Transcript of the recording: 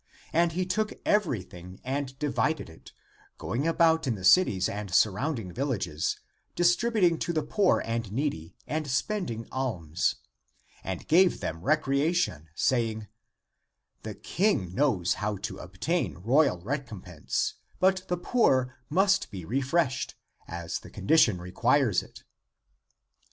And he took everything and divided it, go ing about in the cities and surrounding villages, dis tributing to the poor and needy, and spending alms, and gave them recreation, saying, " The King knows how to obtain royal recompense, but the poor must be refreshed, as the condition requires it."